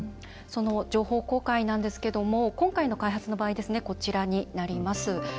その情報公開なんですけど今回の開発の場合こちらになります。